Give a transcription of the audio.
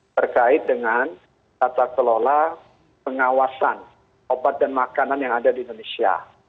terkait dengan tata kelola pengawasan obat dan makanan yang ada di indonesia